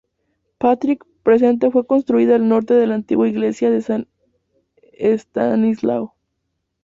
Patrick presente fue construida al norte de la antigua iglesia de San Estanislao.